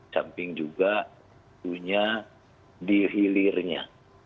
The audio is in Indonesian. samping juga punya dihilirnya